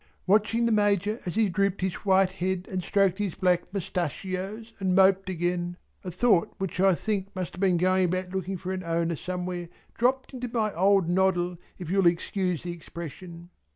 Watching the Major as he drooped his white head and stroked his black mustachios and moped again, a thought which I think must have been going about looking for an owner somewhere dropped into my old noddle if you will excuse the expression.